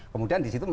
kemudian di situ